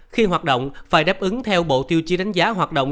khi hoạt động phải đáp ứng theo bộ tiêu chí đánh giá hoạt động